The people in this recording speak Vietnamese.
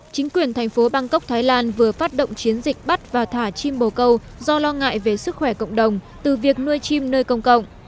chính quyền thành phố bangkok thái lan vừa phát động chiến dịch bắt và thả chim bồ câu do lo ngại về sức khỏe cộng đồng từ việc nuôi chim nơi công cộng